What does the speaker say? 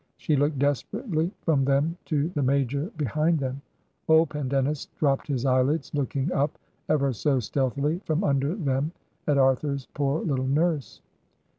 She looked desperately from them to the Major behind them. Old Pendennis dropped his eyelids, looking up ever so stealthily from imder them at Arthur's poor Uttle nurse.